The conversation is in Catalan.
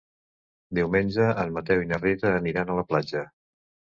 Diumenge en Mateu i na Rita aniran a la platja.